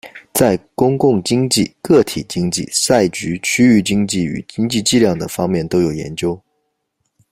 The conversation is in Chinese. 在公共经济、个体经济、赛局、区域经济与经济计量等方面都有研究。